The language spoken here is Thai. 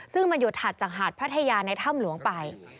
ซึ่งมันอยู่ถัดจากหาดพัทยาในถ้ำหลวงไป